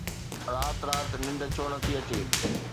رات رات ننڊ ڇو نٿي اچي؟